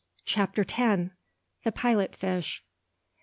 CHAPTER TEN. THE PILOT FISH.